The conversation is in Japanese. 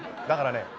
だからね